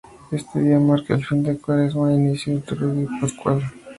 Este día marca el fin de la Cuaresma e inicio del Triduo Pascual.